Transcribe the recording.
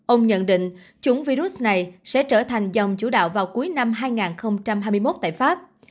ông nhận định chủng virus này sẽ trở thành dòng chủ đạo vào cuối năm hai nghìn hai mươi một tại pháp